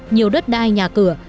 nhiều đất đai nhà cửa